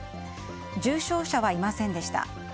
重症者はいませんでした。